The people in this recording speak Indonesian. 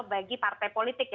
bagi partai politik